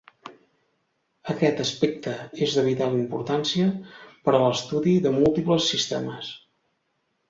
Aquest aspecte és de vital importància per a l'estudi de múltiples sistemes.